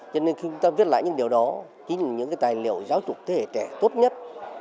cho nên khi chúng ta viết lại những điều đó chính là những tài liệu giáo dục thế hệ trẻ tốt nhất